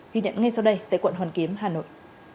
ghi nhận ngay sau đây tại quận hoàn kiếm hà nội